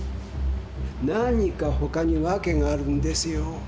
何かほかに訳があるんですよ。